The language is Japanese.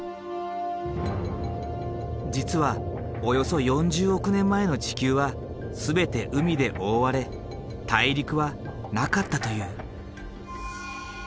実はおよそ４０億年前の地球は全て海で覆われ大陸はなかったという。